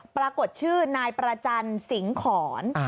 ปรากฏชื่อนายประจันสิงหอน